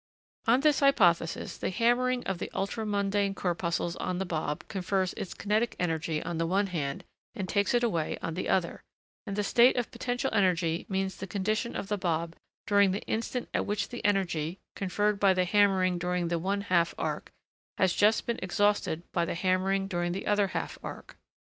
On this hypothesis, the hammering of the ultra mundane corpuscles on the bob confers its kinetic energy, on the one hand, and takes it away on the other; and the state of potential energy means the condition of the bob during the instant at which the energy, conferred by the hammering during the one half arc, has just been exhausted by the hammering during the other half arc.